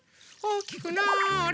おおきくなあれ。